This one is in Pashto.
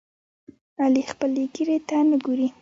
علي خپلې ګیرې ته نه ګوري.